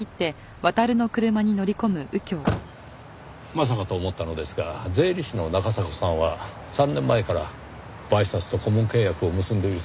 まさかと思ったのですが税理士の中迫さんは３年前からＢＹＳＡＳと顧問契約を結んでいるそうです。